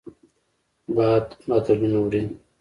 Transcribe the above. باد بادلونه وړي